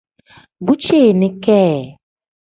Bu ceeni kee.